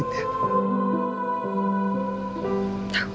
aku gak sanggup masuk ke dalam